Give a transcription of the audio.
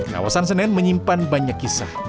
kawasan senen menyimpan banyak kisah